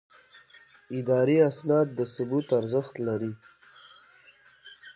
اداري اسناد د ثبوت ارزښت لري.